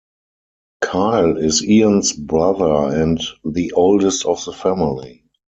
Kyle is Ian's brother and the oldest of the family.